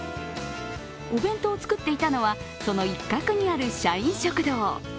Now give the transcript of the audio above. お弁当を作っていたのはその一角にある社員食堂。